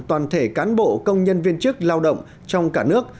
toàn thể cán bộ công nhân viên chức lao động trong cả nước